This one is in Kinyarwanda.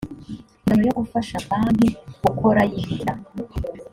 inshingano yo gufasha banki gukora yirinda